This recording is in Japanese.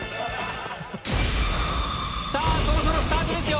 さぁそろそろスタートですよ。